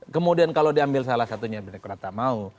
kemudian kalau diambil salah satunya pks mau